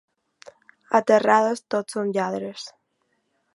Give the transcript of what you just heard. A Terrades tots són lladres.